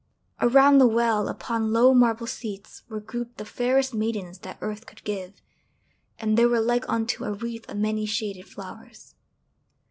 Around the well, upon low marble seats, were grouped the fairest maidens that earth could give, and they were like unto a wreath of many shaded flowers.